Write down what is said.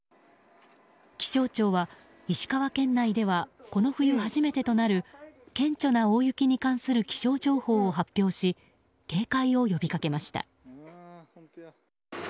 気象庁は石川県内ではこの冬初めてとなる顕著な大雪に関する気象情報を発表し警戒を呼びかけました。